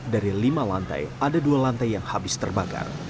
dari lima lantai ada dua lantai yang habis terbakar